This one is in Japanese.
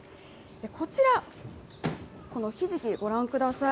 こちら、このひじきご覧ください。